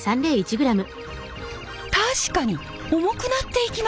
確かに重くなっていきます！